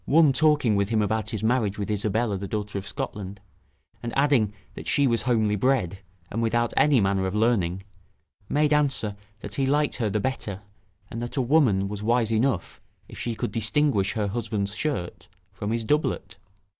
one talking with him about his marriage with Isabella the daughter of Scotland, and adding that she was homely bred, and without any manner of learning, made answer, that he liked her the better, and that a woman was wise enough, if she could distinguish her husband's shirt from his doublet.